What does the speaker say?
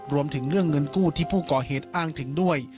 รวมถึงเรื่องเงินกู้ที่ผู้ก่อเหตุอ้างถึงด้วย